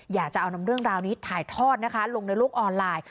อยากจะเอานำเรื่องราวนี้ถ่ายทอดนะคะลงในโลกออนไลน์